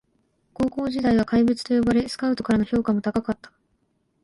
高校時代は怪物と呼ばれスカウトからの評価も高かった